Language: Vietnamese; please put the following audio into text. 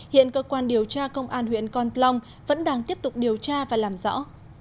hiện cơ quan điều tra công an huyện con plong vẫn đang tiếp tục điều tra và làm rõ